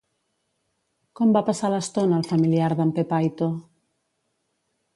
Com va passar l'estona el familiar d'En Pepaito?